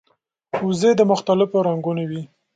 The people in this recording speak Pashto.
وزې د مختلفو رنګونو وي